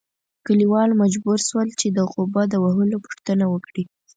کلیوال مجبور شول چې د غوبه د وهلو پوښتنه وکړي.